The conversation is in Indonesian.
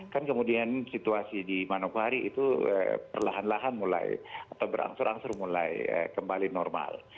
kan kemudian situasi di manokwari itu perlahan lahan mulai atau berangsur angsur mulai kembali normal